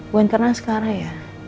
bukan karena sekarang ya